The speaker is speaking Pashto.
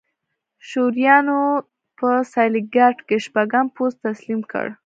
شورویانو په ستالینګراډ کې شپږم پوځ تسلیم کړ